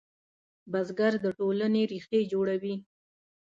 بزګر د ټولنې ریښې جوړوي